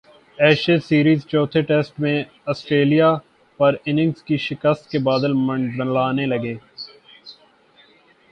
Ashes series چوتھے test میں Australia پر اننگز کی شکست کے بادل منڈلانے لگے